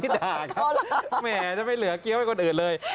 ด่าครับแหมจะไปเหลือเกี้ยวให้คนอื่นเลย